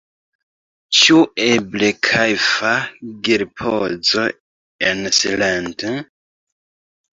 Ĉu eble kajfa geripozo en silent?